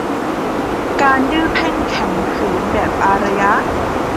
การดื้อแพ่งแข็งขืนแบบอารยะ